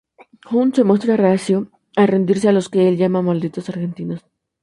Hunt se muestra reacio a rendirse a los que el llama "malditos argentinos".